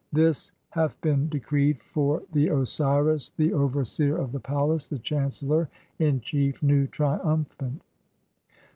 This hath been decreed for the Osiris the "overseer of the palace, the chancellor in chief, Nu, triumphant.'"